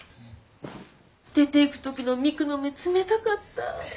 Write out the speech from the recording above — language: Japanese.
出ていく時の未来の目冷たかったぁ。